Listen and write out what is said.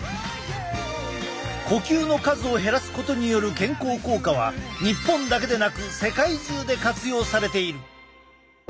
呼吸の数を減らすことによる健康効果は日本だけでなく世界中で活用されている。